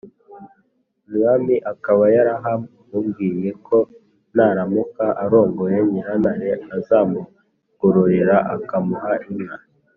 umwami akaba yaramubwiye ko naramuka arongoye nyirantare azamugororera akamuha inka.